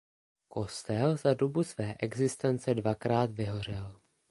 Kostel za dobu své existence dvakrát vyhořel.